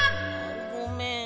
ごめん。